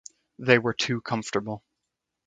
They were too comfortable.